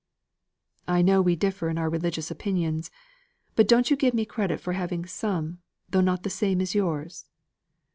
"I know we differ in our religious opinions; but don't you give me credit for having some, though not the same as yours?"